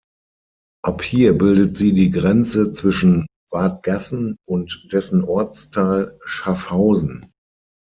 Ab hier bildet sie die Grenze zwischen Wadgassen und dessen Ortsteil Schaffhausen.